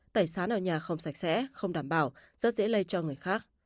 tẩy xá ở nhà không sạch sẽ không đảm bảo rất dễ lây cho người khác